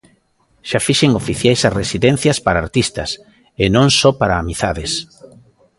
Xa fixen oficiais as residencias para artistas e non só para amizades.